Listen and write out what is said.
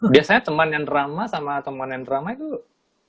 biasanya temen yang drama sama temen yang drama itu